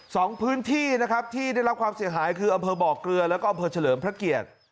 สองพื้นที่นะครับที่ได้รับความเสียหายคืออำเภอบ่อเกลือแล้วก็อำเภอเฉลิมพระเกียรติ